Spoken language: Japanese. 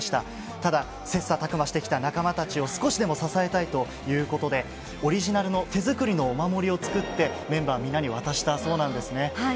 ただ、切さたく磨してきた仲間たちを少しでも支えたいということで、オリジナルの手作りのお守りを作って、メンバーみんなに渡したそうなんですね。